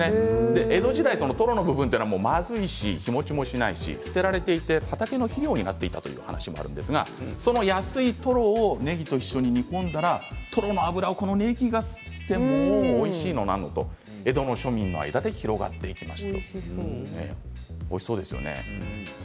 江戸時代、とろの部分はまずいし日もちもしないし捨てられていて畑菜の肥料になっていたという話もあるんですがその安いとろを、ねぎと一緒に煮込んだら脂をねぎが吸ってうまいのなんのと江戸の庶民の間で広がっていきました。